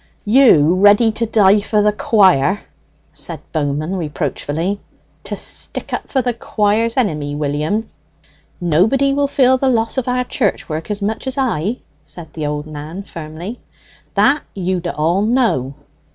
"You, ready to die for the quire," said Bowman reproachfully, "to stick up for the quire's enemy, William!" "Nobody will feel the loss of our church work so much as I," said the old man firmly; "that you d'all know.